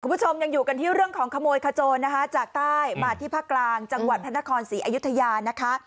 คุณผู้ชมยังอยู่กันที่เรื่องของขโมยขโจรนะคะจากใต้มาที่ภาคกลางจังหวัดพระนครศรีอยุธยานะคะ